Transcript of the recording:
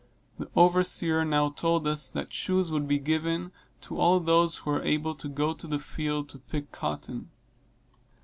The overseer now told us that shoes would be given to all those who were able to go to the field to pick cotton.